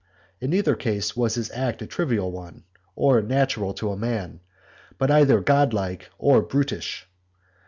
in neither ease was his act a trivial one, or natural to a man, but either god like or brutish.